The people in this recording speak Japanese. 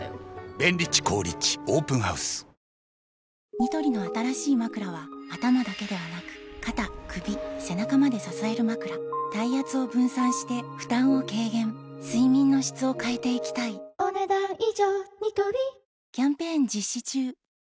ニトリの新しいまくらは頭だけではなく肩・首・背中まで支えるまくら体圧を分散して負担を軽減睡眠の質を変えていきたいお、ねだん以上。